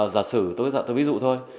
giả sử tôi ví dụ thôi